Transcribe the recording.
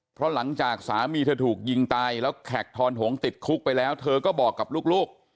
เพราะหลังจากสามีเธอถูกยิงตายแล้วแขกทอนหงติดคุกไปแล้วเธอก็บอกกับลูก